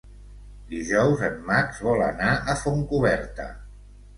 Dijous en Max vol anar a Fontcoberta.